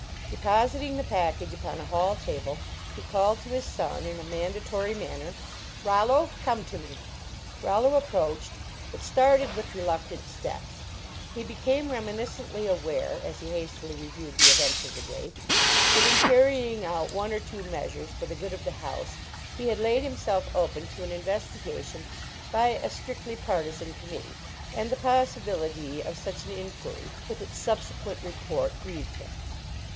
De positing the package upon a hall table, he called to his son in a mandatory manner :" Rollo, come to me." Rollo approached, but started with reluc tant steps. He became reminisccntly aware as he hastily reviewed the events of the day, that in carrying out one or two measures for 60 LEARNING TO PLAY the good of the house, he had laid him>clf open to an invotigation by a strictly partisan committee, and the possibility of such an in quiry, with its subsequent report, grieved him.